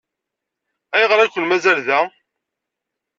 Ayɣer ay ken-mazal da?